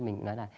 mình nói là